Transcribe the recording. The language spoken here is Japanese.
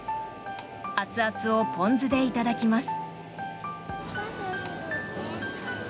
熱々をポン酢でいただきます。